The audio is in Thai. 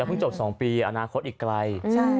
เพิ่งจบ๒ปีอนาคตอีกไกล